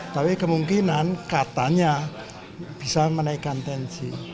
tapi kemungkinan katanya bisa menaikkan tensi